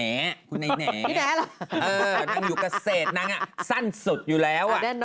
เอ้อนั่งอยู่เกษตรนังอะสั้นสุดอยู่แล้วอ่ะ